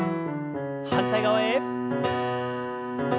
反対側へ。